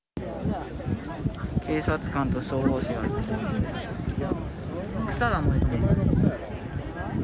警察官と消防士がいます。